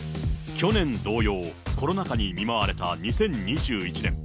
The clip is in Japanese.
去年同様、コロナ禍に見舞われた２０２１年。